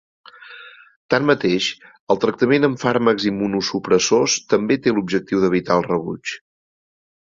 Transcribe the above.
Tanmateix, el tractament amb fàrmacs immunosupressors també té l'objectiu d'evitar el rebuig.